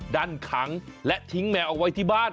ดันขังและทิ้งแมวเอาไว้ที่บ้าน